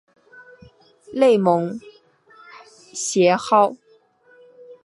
内蒙邪蒿